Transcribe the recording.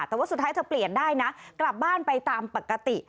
แต่ว่าสุดท้ายเธอเปลี่ยนได้นะกลับบ้านไปตามปกติ